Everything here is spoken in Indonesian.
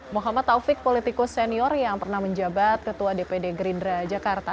muhammad taufik politikus senior yang pernah menjabat ketua dpd gerindra jakarta